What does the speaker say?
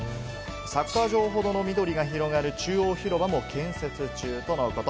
サッカー場ほどの緑が広がる中広場も建設中とのこと。